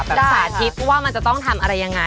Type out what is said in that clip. สาธิตว่ามันจะต้องทำอะไรยังไง